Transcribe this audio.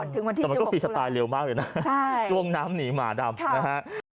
แต่มันก็ฟรีสไตล์เร็วมากเลยนะช่วงน้ำหนีหมาดำนะฮะ